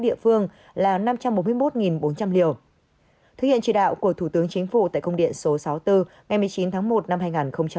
địa phương là năm trăm bốn mươi một bốn trăm linh liều thực hiện chỉ đạo của thủ tướng chính phủ tại công điện số sáu mươi bốn ngày một mươi chín tháng một năm hai nghìn hai mươi